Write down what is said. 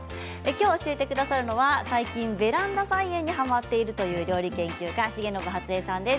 きょう教えてくださるのは最近、ベランダ菜園にはまっているという料理研究家の重信初江さんです。